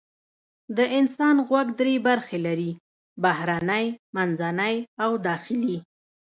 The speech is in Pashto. د انسان غوږ درې برخې لري: بهرنی، منځنی او داخلي.